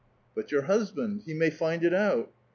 " But your husband ; he may find it out."